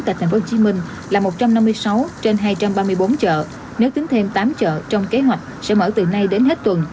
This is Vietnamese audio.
tại tp hcm là một trăm năm mươi sáu trên hai trăm ba mươi bốn chợ nếu tính thêm tám chợ trong kế hoạch sẽ mở từ nay đến hết tuần